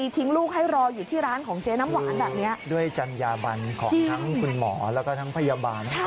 ทิ้งลูกให้รออยู่ที่ร้านของเจ๊น้ำหวานแบบนี้ด้วยจัญญาบันของทั้งคุณหมอแล้วก็ทั้งพยาบาล